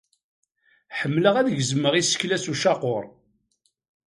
Ḥemmleɣ ad gezmeɣ isekla s ucaqur.